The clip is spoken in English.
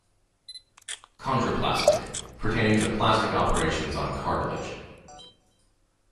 "Chondroplastic" - pertaining to plastic operations on cartilage.